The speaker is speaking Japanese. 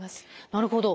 なるほど。